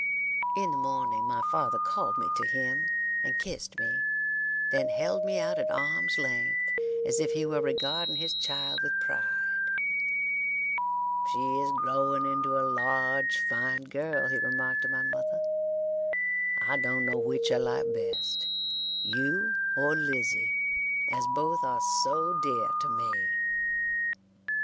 In the morning my father called me to him and kissed me, then held me out at arms' length as if he were regarding his child with pride. "She is growing into a large fine girl," he remarked to my mother. "I dun no which I like best, you or Lizzie, as both are so dear to me."